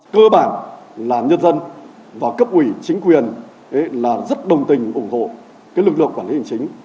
cơ bản là nhân dân và cấp ủy chính quyền là rất đồng tình ủng hộ lực lượng cảnh sát